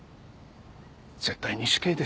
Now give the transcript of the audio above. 絶対に死刑ですよね？